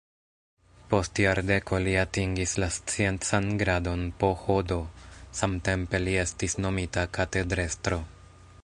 Post jardeko li atingis la sciencan gradon PhD, samtempe li estis nomita katedrestro.